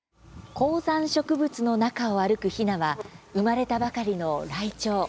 高山植物の中を歩くひなは生まれたばかりのライチョウ。